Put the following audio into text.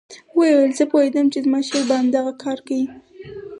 ويې ويل زه پوهېدم چې زما شېر به همدغه کار کيي.